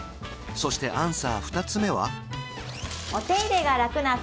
そしてアンサー２つ目は？